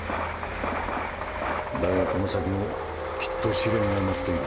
だがこの先もきっと試練が待っている。